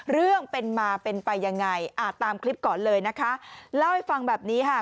เรื่องเป็นมาเป็นไปยังไงอ่าตามคลิปก่อนเลยนะคะเล่าให้ฟังแบบนี้ค่ะ